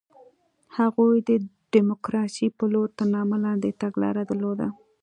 هغوی د ډیموکراسۍ په لور تر نامه لاندې تګلاره درلوده.